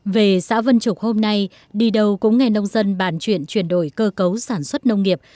về xã vân trục hôm nay đi đâu cũng nghe nông dân bàn chuyện chuyển đổi cơ cấu sản xuất nông nghiệp